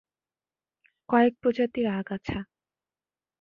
কয়েক প্রজাতির আগাছা